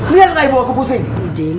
lihat ibu aku pusing